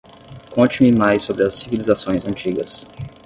Conte-me mais sobre as civilizações antigas